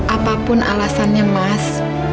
apapun alasannya mas